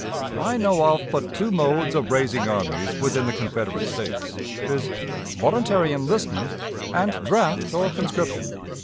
"I know of but two modes of raising armies within the Confederate States, viz., voluntary enlistment and draft, or conscription.